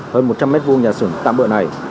hơn một trăm linh mét vuông nhà sửng tạm bợn này